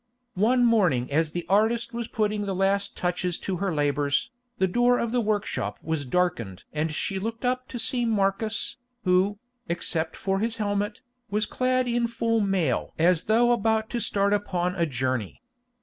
One morning as the artist was putting the last touches to her labours, the door of the workshop was darkened and she looked up to see Marcus, who, except for his helmet, was clad in full mail as though about to start upon a journey.